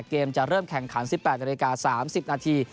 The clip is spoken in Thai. เกมจะเริ่มแข่งขัน๑๘นาฬิกา๓๐นาที